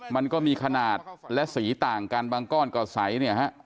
มันก็มีขนาดและสีต่างกันบางก้อนก็ใสเนี่ยฮะ